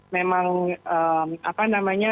memang apa namanya